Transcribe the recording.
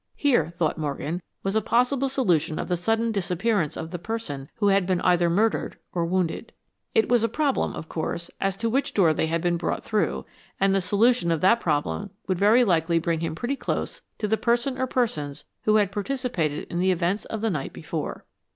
Here, thought Morgan, was a possible solution of the sudden disappearance of the person who had been either murdered or wounded. It was a problem, of course, as to which door they had been brought through, and the solution of that problem would very likely bring him pretty close to the person or persons who had participated in the events of the night before.